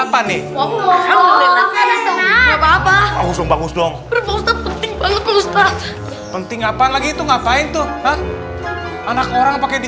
bagus bagus dong penting apa lagi itu ngapain tuh anak orang pakai di